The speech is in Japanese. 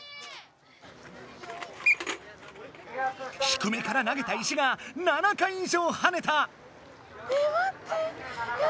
低めから投げた石が７回いじょうはねた！